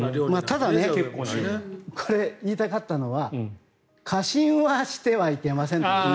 ただ、言いたかったのは過信はしてはいけません。